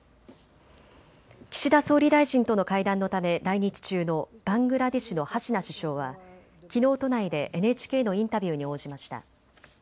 岸田総理大臣との会談のため来日中のバングラデシュのハシナ首相はきのう都内でＮＨＫのインタビューに応じました。